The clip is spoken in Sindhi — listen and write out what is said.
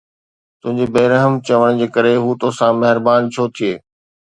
تنھنجي بي رحم چوڻ جي ڪري ھو توسان مھربان ڇو ٿئي؟